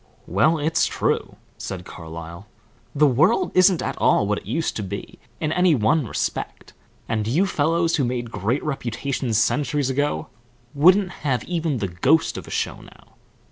"Well, it's true," said Carlyle. "The world isn't at all what it used to be in any one respect, and you fellows who made great reputations centuries ago wouldn't have even the ghost of a show now.